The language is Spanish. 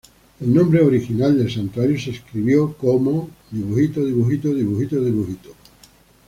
El nombre original del santuario se escribió como 靖國神社.